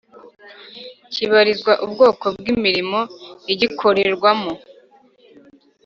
kibarizwa ubwoko bw imirimo igikorerwamo.